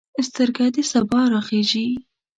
سترګه د سبا راخیژې